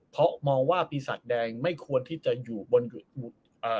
เพราะมองว่าปีศาจแดงไม่ควรที่จะอยู่บนอ่า